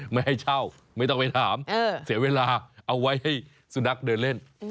ไม่ให้เช่าไม่ต้องไปถามเสียเวลาเอาไว้ให้สุนัขเดินเล่น